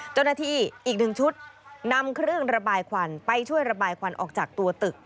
เจ้าหน้าที่อีกหนึ่งชุดนำเครื่องระบายควันไปช่วยระบายควันออกจากตัวตึก